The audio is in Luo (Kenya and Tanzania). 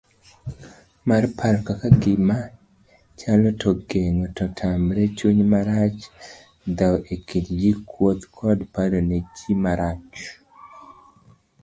mar paro kaka ngima chalo to geng'o to tamre chunymarach, dhawoekindji, kuothkodparonejimarach